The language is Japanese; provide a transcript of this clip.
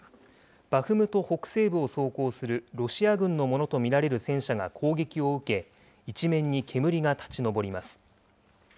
バフムト北西部を走行するロシア軍のものと見られる戦車が攻撃を受け、一面に煙が立ち上ります。